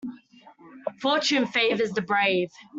Fortune favours the brave.